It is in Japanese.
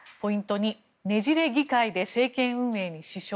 ２ねじれ議会で政権運営に支障